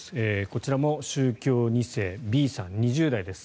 こちらも宗教２世Ｂさん、２０代です。